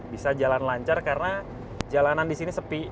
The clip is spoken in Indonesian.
bisa jalan lancar karena jalanan di sini sepi